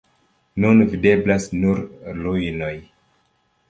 Nun videblas nur ruinoj.